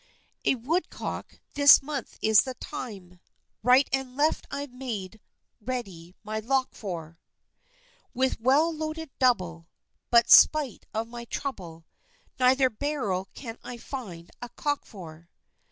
A woodcock, this month is the time, Right and left I've made ready my lock for, With well loaded double, But 'spite of my trouble, Neither barrel can I find a cock for!